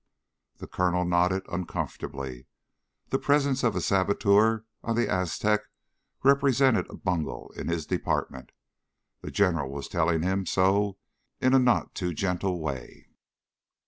The Colonel nodded uncomfortably. The presence of a saboteur on the Aztec represented a bungle in his department. The General was telling him so in a not too gentle way.